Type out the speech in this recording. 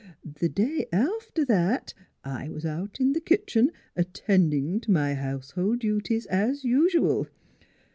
The day after that I was out in th' kitchen attendin' t' my house hold dooties, es usual.